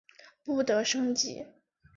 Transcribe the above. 不得升级。